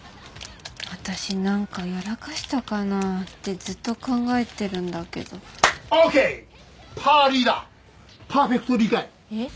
私なんかやらかしたかなってずっと考えてるんだけどオーケーパーリーだパーフェクト理解えっ？